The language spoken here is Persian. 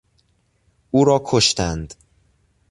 او را کشتند.